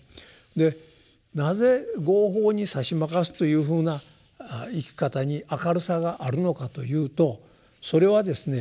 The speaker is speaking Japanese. でなぜ「業報にさしまかす」というふうな生き方に明るさがあるのかというとそれはですね